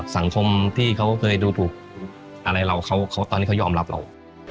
สังคมที่เขาเคยดูถูกอะไรเราเขาตอนนี้เขายอมรับเรา